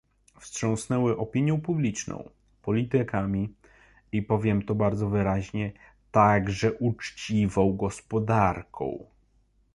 Wstrząsnęły opinią publiczną, politykami i - powiem to bardzo wyraźnie - także uczciwą gospodarką